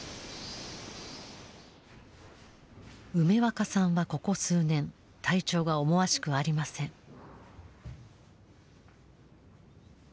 梅若さんはここ数年体調が思わしくありません。